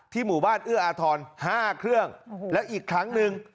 หมู่บ้านเอื้ออาทร๕เครื่องและอีกครั้งหนึ่ง